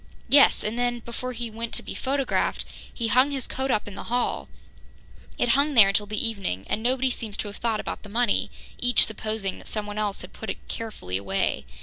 "Yes, and then, before he went to be photographed, he hung his coat up in the hall. It hung there until the evening, and nobody seems to have thought about the money, each supposing that someone else had put it carefully away.